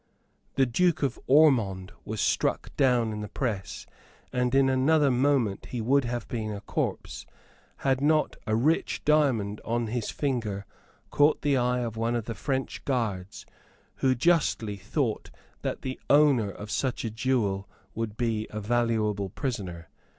The Duke of Ormond was struck down in the press; and in another moment he would have been a corpse, had not a rich diamond on his finger caught the eye of one of the French guards, who justly thought that the owner of such a jewel would be a valuable prisoner.